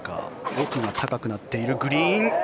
奥が高くなっているグリーン。